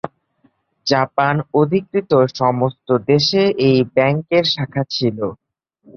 Japan অধিকৃত সমস্ত দেশে এই ব্যাঙ্কের শাখা ছিল।